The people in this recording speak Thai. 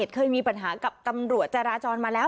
เคยมีปัญหากับตำรวจจราจรมาแล้ว